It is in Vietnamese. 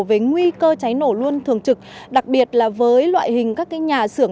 về nguy cơ cháy nổ luôn thường trực đặc biệt là với loại hình các nhà xưởng